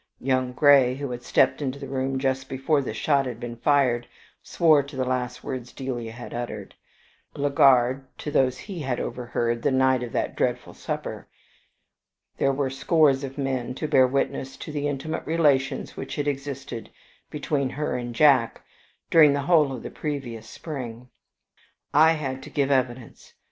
Young Grey, who had stepped into the room just before the shot had been fired, swore to the last words Delia had uttered; Legard to those he had overheard the night of that dreadful supper: there were scores of men to bear witness to the intimate relations which had existed between her and Jack during the whole of the previous spring. I had to give evidence.